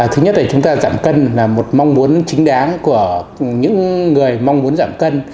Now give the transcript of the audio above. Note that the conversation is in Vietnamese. thứ nhất là chúng ta giảm cân là một mong muốn chính đáng của những người mong muốn giảm cân